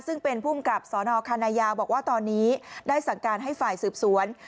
ซึ่งเป็นภูมิกับสนคณะยาวบอกว่าตอนนี้ได้สั่งการให้ฝ่ายสืบสวน